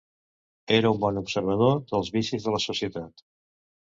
Era un bon observador dels vicis de la societat.